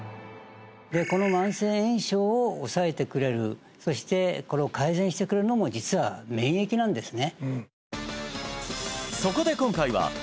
この慢性炎症を抑えてくれるそしてこれを改善してくれるのも実は免疫なんですね